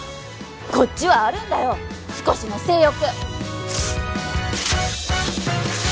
こっちはあるんだよ少しの性欲！